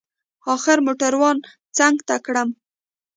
اخر موټروان څنگ ته کړم.